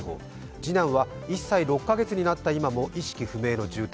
次男は１歳６か月になった今も意識不明の重体。